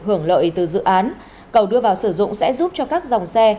hưởng lợi từ dự án cầu đưa vào sử dụng sẽ giúp cho các dòng xe